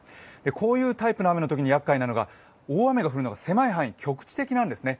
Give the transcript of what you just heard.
こういうタイプの雨のときにやっかいなのが、大雨が降るのが狭い範囲、局地的なんですね。